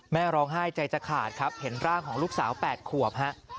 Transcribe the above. แม่ร้องไห้ใจจะขาดครับเห็นร่างของลูกสาว๘ขวบฮะ